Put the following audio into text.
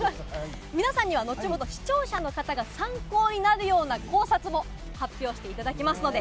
皆さんには後ほど視聴者の方が参考になるような考察も発表していただきますので。